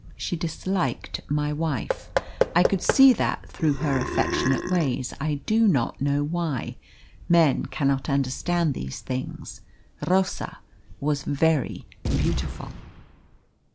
She disliked my wife. I could see that through her affectionate ways. I do not know why. Men cannot understand these things. Rosa was very beautiful."